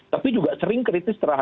tapi juga sering kritis